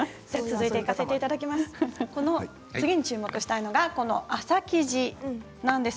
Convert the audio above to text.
次に注目したいのが麻生地です。